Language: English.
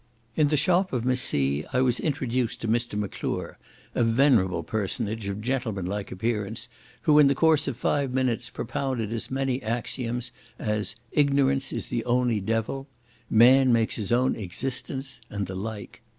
In the shop of Miss C— I was introduced to Mr. M'Clure, a venerable personage, of gentlemanlike appearance, who in the course of five minutes propounded as many axioms, as "Ignorance is the only devil;" "Man makes his own existence;" and the like.